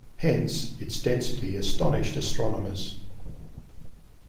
Hence, its density astonished astronomers.